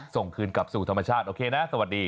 ส่งคืนกลับสู่ธรรมชาติโอเคนะสวัสดี